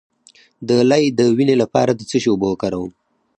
د لۍ د وینې لپاره د څه شي اوبه وکاروم؟